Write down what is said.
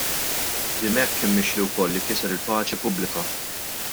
Dimech kien mixli wkoll li kiser il-paċi pubblika.